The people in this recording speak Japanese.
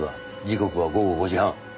時刻は午後５時半。